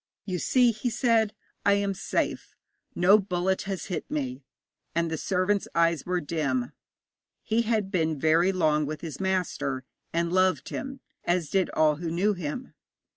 'You see,' he said, 'I am safe. No bullet has hit me.' And the servant's eyes were dim. He had been very long with his master, and loved him, as did all who knew him.